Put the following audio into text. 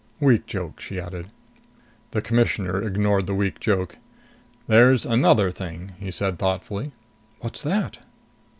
Weak joke," she added. The Commissioner ignored the weak joke. "There's another thing," he said thoughtfully. "What's that?"